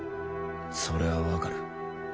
それは分かる。